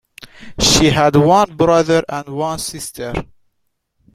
She had one brother and one sister.